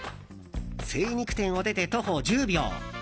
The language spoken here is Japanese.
精肉店を出て徒歩１０秒。